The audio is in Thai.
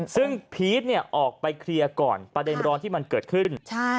ซึ่งพีชออกไปเคลียร์ก่อนประเด็นร้อนที่มันเกิดขึ้น